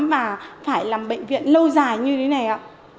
chứ không phải làm bệnh viện lâu dài như thế này ạ